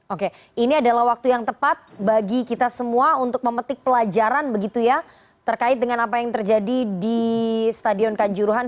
oke ini adalah waktu yang tepat bagi kita semua untuk memetik pelajaran begitu ya terkait dengan apa yang terjadi di stadion kanjuruhan